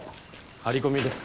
張り込みです。